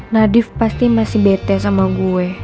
nadif pasti masih bete sama gue